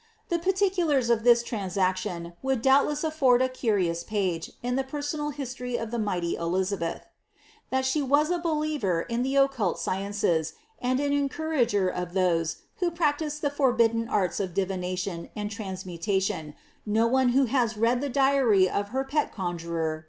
The particulars of this transaction vould doubtless afford a curious page in the personal history of the nighty Elizabeth. That she was a believer in the occult sciences, and an encourager of those who practised the forbidden arts of divination and transmutation, no one who has read the diary of her pet conjuror.